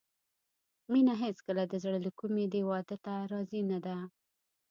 مينه هېڅکله د زړه له کومې دې واده ته راضي نه ده